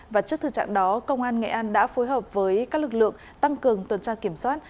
và trước thực trạng đó công an nghệ an đã phối hợp với các lực lượng tăng cường tuần tra kiểm soát